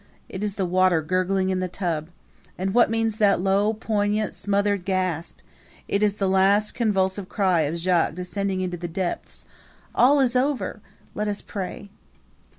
It is the water gurgling in the tub. And what means that low, poignant, smothered gasp? It is the last convulsive cry of Jacques descending into the depths. All is over! Let us pray!